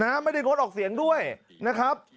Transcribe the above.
ไม่ได้งดออกเสียงด้วยนะครับ